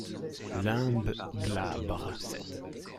Limbe glabre.